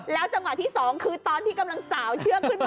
จังหวะที่๒คือตอนที่กำลังสาวเชือกขึ้นมา